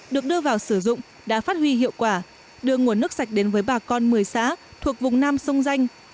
được đưa vào sử dụng đã phát huy hiệu quả đưa nguồn nước sạch đến với bà con một mươi xã thuộc vùng nam sông danh